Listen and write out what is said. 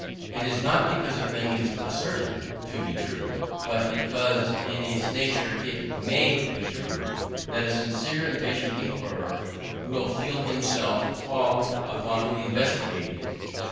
It is not because a thing is asserted to be true, but because in its nature it may be true, that a sincere and patient inquirer will feel himself called upon to investigate it.